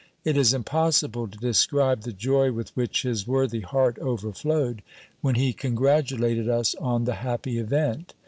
It is impossible to describe the joy with which his worthy heart overflowed, when he congratulated us on the happy event.